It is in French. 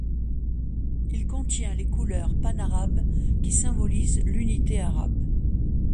Il contient les couleurs panarabes qui symbolisent l'unité arabe.